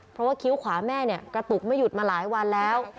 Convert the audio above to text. เพราะว่าคิ้วขวาแม่เนี่ยกระตุกไม่หยุดมาหลายวันแล้ว